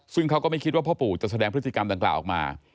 ซึ่งเขาก็ไม่คิดว่าพ่อปู่จะแสดงพฤติกรรมดังกล่าวออกมา